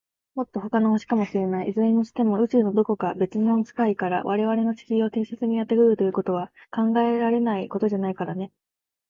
もっと、ほかの星かもしれない。いずれにしても、宇宙の、どこか、べつの世界から、われわれの地球を偵察にやってくるということは、考えられないことじゃないからね。